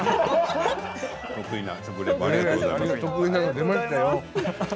得意な食リポありがとうございます。